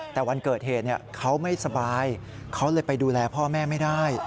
แต่วันเกิดเหตุเขาไม่สบายเขาเลยไปดูแลพ่อแม่ไม่ได้